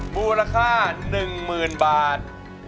บูรค่าหนึ่งมืนบาท